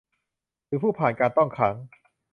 หรือผู้ผ่านการต้องขัง